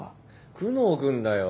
久能君だよ。